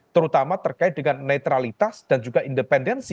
terutama terkait dengan netralitas dan juga independensi